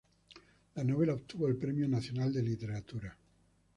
La novela obtuvo el premio nacional de literatura.